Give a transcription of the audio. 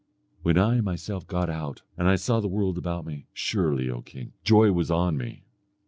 When I myself got out, and I saw the world about me, surely, O king! joy was on me.